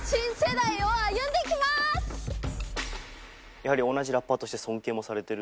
やはり同じラッパーとして尊敬もされてる？